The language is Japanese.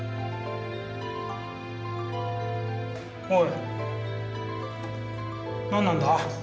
おい何なんだ？